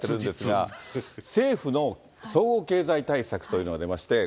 政府の総合経済対策というのが出まして。